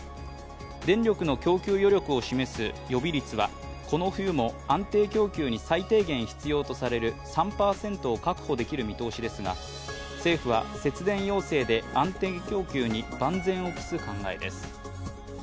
電力の供給余力を示す予備率はこの冬も安定供給に最低限必要とされる３％を確保できる見通しですが、政府は節電要請で安定供給に万全を期す考えです。